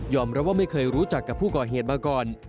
รับว่าไม่เคยรู้จักกับผู้ก่อเหตุมาก่อน